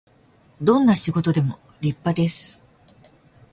どんな仕事でも立派です